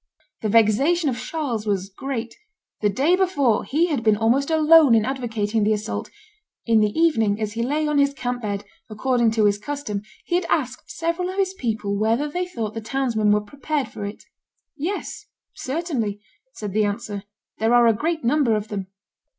The vexation of Charles was great; the day before he had been almost alone in advocating the assault; in the evening, as he lay on his camp bed, according to his custom, he had asked several of his people whether they thought the townsmen were prepared for it. "Yes, certainly," was the answer; "there are a great number of them."